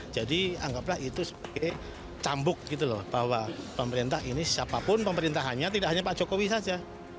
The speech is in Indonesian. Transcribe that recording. jadi anggaplah itu sebagai cambuk gitu loh bahwa pemerintah ini siapapun pemerintahannya tidak hanya pak jokowi saja